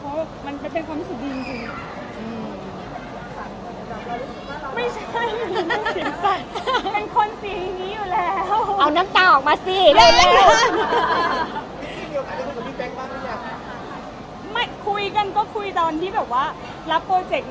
เพราะว่ามันเป็นความสุขดีจริง